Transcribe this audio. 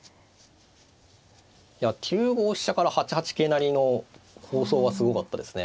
いや９五飛車から８八桂成の構想はすごかったですね。